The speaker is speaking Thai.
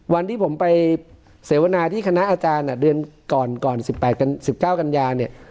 วันที่ผมไปเสวนาที่คณะอาจารย์อ่ะเดือนก่อนก่อนสิบแปดกันสิบเก้ากันยาเนี่ย